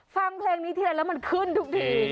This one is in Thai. ฟังเพลงนี้เทียนแล้วมันขึ้นดูดิ